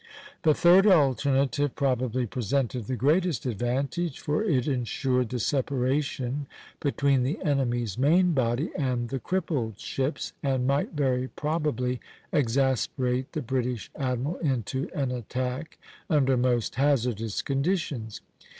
The third alternative probably presented the greatest advantage, for it insured the separation between the enemy's main body and the crippled ships, and might very probably exasperate the British admiral into an attack under most hazardous conditions.